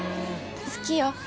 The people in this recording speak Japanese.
好きよ